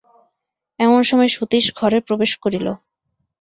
এমন সময় সতীশ ঘরে প্রবেশ করিল।